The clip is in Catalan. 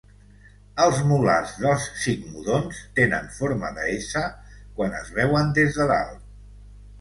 Els molars dels sigmodons tenen forma de S quan es veuen des de dalt.